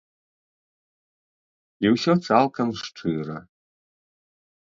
І ўсё цалкам шчыра.